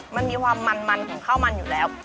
มันมีความมันของข้าวมันอยู่แล้ว